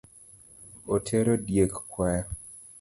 Otero diek kwayo